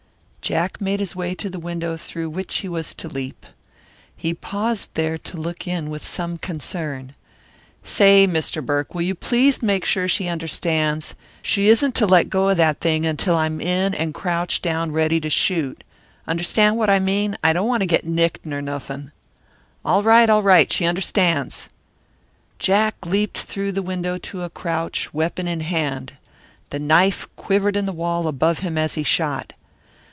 Jack made his way to the window through which he was to leap. He paused there to look in with some concern. "Say, Mr. Burke, will you please make sure she understands? She isn't to let go of that thing until I'm in and crouched down ready to shoot understand what I mean? I don't want to get nicked nor nothing." "All right, all right! She understands." Jack leaped through the window to a crouch, weapon in hand. The knife quivered in the wall above him as he shot.